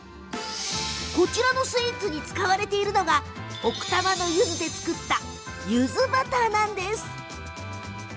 これらのスイーツに使われているのが奥多摩のゆずで作った柚子バターです。